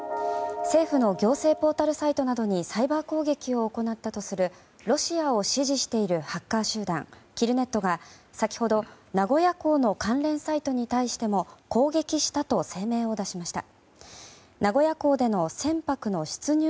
政府の行政ポータルサイトなどにサイバー攻撃を行ったとするロシアを支持しているハッカー集団キルネットが先ほど名古屋港の関連サイトに対しても攻撃したと声明を出しました。